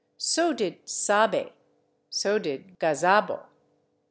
So did /sabe/. So did /gazabo